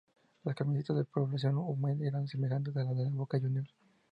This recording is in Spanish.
Las camisetas de Población Huemul eran semejantes a las de Boca Juniors.